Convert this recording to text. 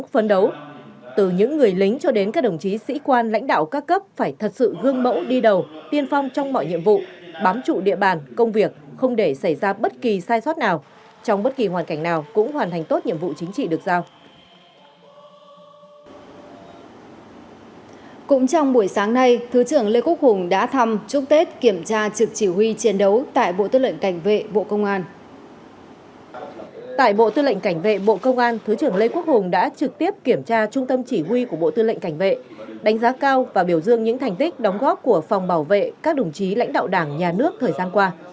bộ tư lệnh cảnh vệ bộ công an thứ trưởng lê quốc hùng đã trực tiếp kiểm tra trung tâm chỉ huy của bộ tư lệnh cảnh vệ đánh giá cao và biểu dương những thành tích đóng góp của phòng bảo vệ các đồng chí lãnh đạo đảng nhà nước thời gian qua